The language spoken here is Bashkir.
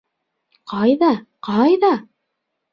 Ҡайҙа, ҡайҙа!